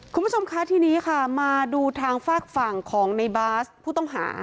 คุณผู้ชมคะทีนี้ค่ะมาดูทางฝากฝั่งของในบาสผู้ต้องหา